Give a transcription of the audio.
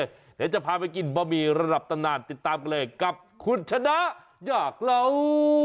เดี๋ยวจะพาไปกินบะหมี่ระดับตำนานติดตามกันเลยกับคุณชนะอยากเล่า